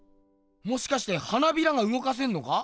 もしかして花びらがうごかせんのか？